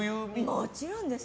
もちろんです。